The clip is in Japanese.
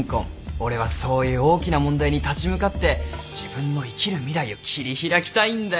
俺はそういう大きな問題に立ち向かって自分の生きる未来を切り開きたいんだよ。